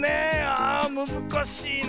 あむずかしいなあ。